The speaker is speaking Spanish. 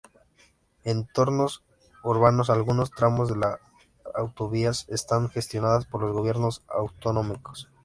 En entornos urbanos, algunos tramos de las autovías están gestionadas por los gobiernos autonómicos.